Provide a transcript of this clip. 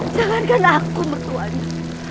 jangan aku yang bertuah ini